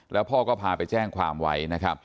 แล้วพ่อก็พาไปแจ้งความไว้